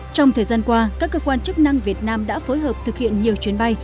trong thời gian qua các cơ quan chức năng việt nam đã phối hợp thực hiện nhiều chuyến bay